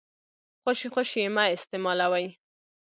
خوشې خوشې يې مه استيمالوئ.